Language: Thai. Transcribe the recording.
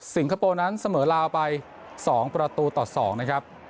คโปร์นั้นเสมอลาวไป๒ประตูต่อ๒นะครับ